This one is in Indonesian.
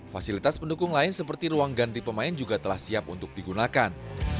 fasilitas pendukung lain seperti ruang ganti pemain juga telah siap untuk digunakan